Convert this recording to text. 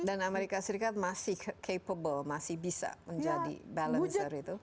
dan amerika serikat masih capable masih bisa menjadi balancer itu